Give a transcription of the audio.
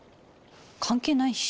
関係ないし。